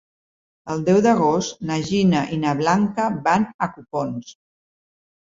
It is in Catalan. El deu d'agost na Gina i na Blanca van a Copons.